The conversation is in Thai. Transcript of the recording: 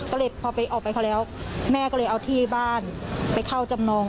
ก็เลยพอไปออกไปเขาแล้วแม่ก็เลยเอาที่บ้านไปเข้าจำนอง